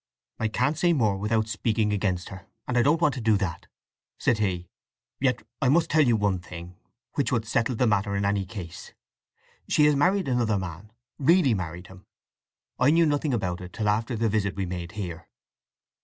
"I can't say more without speaking against her, and I don't want to do that," said he. "Yet I must tell you one thing, which would settle the matter in any case. She has married another man—really married him! I knew nothing about it till after the visit we made here."